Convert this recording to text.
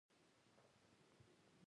هلته لږ لرې د موټرو یوه هډه وه.